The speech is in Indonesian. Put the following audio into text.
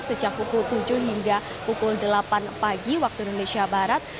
sejak pukul tujuh hingga pukul delapan pagi waktu indonesia barat